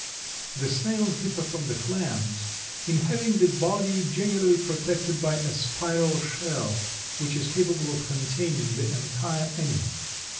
The snails differ from the clams in having the body generally protected by a spiral shell which is capable of containing the entire animal.